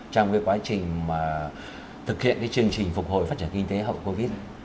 trong quá trình thực hiện chương trình phục hồi phát triển kinh tế hậu covid